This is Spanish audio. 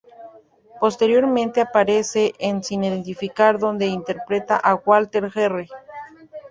Posteriormente aparece en "Sin identificar", donde interpreta a Walter, Jr.